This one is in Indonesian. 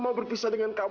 mau berpisah dengan kamu